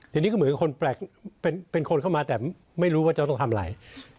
ทีนี้ก็เหมือนคนแปลกเป็นคนเข้ามาแต่ไม่รู้ว่าจะต้องทำอะไร